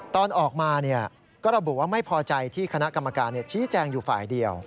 ตอนออกมาก็ระบุว่าไม่พอใจที่คณะกรรมการชี้แจงอยู่ฝ่ายเดียว